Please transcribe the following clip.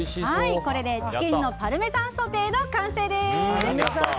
これで、チキンのパルメザンソテーの完成です。